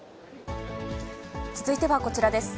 続いてはこちらです。